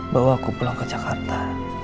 bawa aku pulang ke jakarta